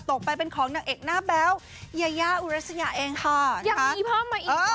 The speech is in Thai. ตกไปเป็นของหนักแอกหน้าแบ๋วยายายูรัสนาเองค่ะอยากมีเผาใหม่อีกเหรอ